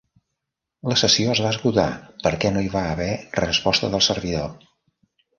La sessió es va esgotar perquè no hi va haver resposta del servidor.